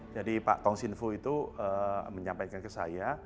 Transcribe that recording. jadi pak tong xinfu itu menyampaikan ke saya